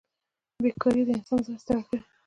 بېکارۍ د انسان ذهن ستړی کوي.